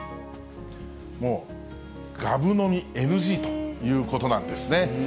もうがぶ飲みＮＧということなんですね。